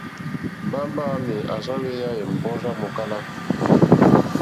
Mbamba wàami à rza hweya è mbɔrzi yà mòkala.